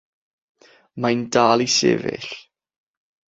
Mae'n dal i sefyll.